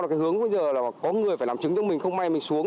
cái hướng bây giờ là có người phải làm chứng cho mình không may mình xuống